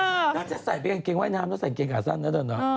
น่าจะใส่เป็นกางเกงว่ายน้ำแล้วใส่กางเกงขาสั้นแล้วด้วย